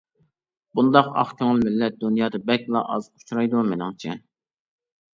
بۇنداق ئاق كۆڭۈل مىللەت دۇنيادا بەكلا ئاز ئۇچرايدۇ مېنىڭچە.